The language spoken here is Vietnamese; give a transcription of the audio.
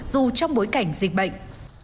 dù trong bối cảnh dịch bệnh